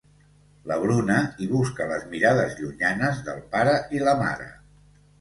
La Bruna hi busca les mirades llunyanes del pare i la mare.